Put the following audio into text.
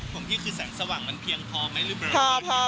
ของพี่คือแสงสว่างมันเพียงพอไหมหรือเปล่า